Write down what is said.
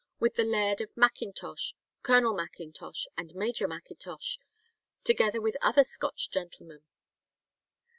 . with the laird of Macintosh, Colonel McIntosh, and Major McIntosh, together with other Scotch gentlemen."